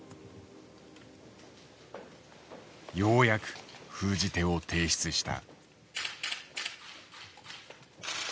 ようやく封じ手を提出した。